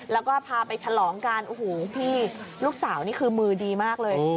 แล้วก็พาไปฉลองกันโอ้โหพี่ลูกสาวนี่คือมือดีมากเลย